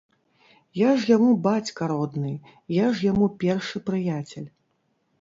Я ж яму бацька родны, я ж яму першы прыяцель.